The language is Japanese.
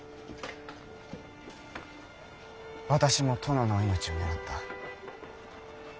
私も殿のお命を狙った。